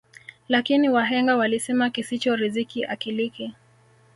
Lakini wahenga walisema kisicho riziki akiliki